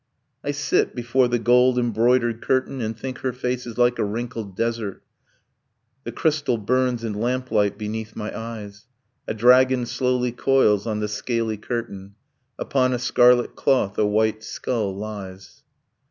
I sit before the gold embroidered curtain And think her face is like a wrinkled desert. The crystal burns in lamplight beneath my eyes. A dragon slowly coils on the scaly curtain. Upon a scarlet cloth a white skull lies.